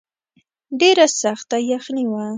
ډېره سخته یخني وه.